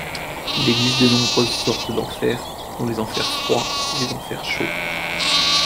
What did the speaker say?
Il existe de nombreuses sortes d'enfers, dont les enfers froids et les enfers chauds.